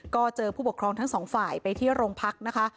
ก็เจอผู้ปกครองทั้งสองฝ่ายไปที่โรงพักนะคะ